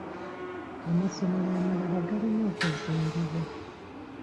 Amasomero amalala galina okuzimbibwa.